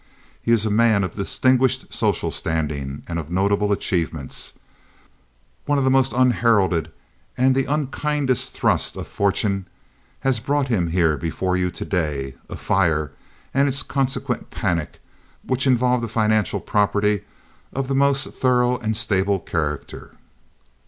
He is a man of distinguished social standing and of notable achievements. Only the most unheralded and the unkindest thrust of fortune has brought him here before you today—a fire and its consequent panic which involved a financial property of the most thorough and stable character.